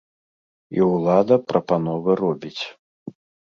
І ўлада прапановы робіць.